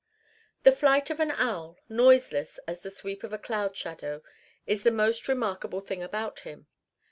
The flight of an owl, noiseless as the sweep of a cloud shadow, is the most remarkable thing about him.